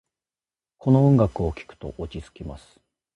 この音楽を聴くと落ち着きます。